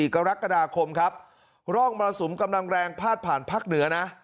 กรกฎาคมครับร่องมรสุมกำลังแรงพาดผ่านภาคเหนือนะ